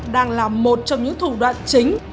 đang là một trong những thủ đoạn chính